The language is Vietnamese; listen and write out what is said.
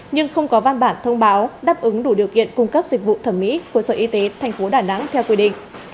nhưng không có văn bản thông báo đáp ứng đủ điều kiện cung cấp dịch vụ thẩm mỹ của sở y tế tp đà nẵng theo quy định